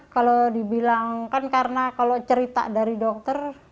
kalau cerita dari dokter